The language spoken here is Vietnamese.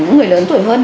người lớn tuổi hơn